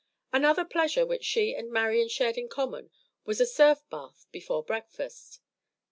Another pleasure which she and Marian shared in common was a surf bath before breakfast.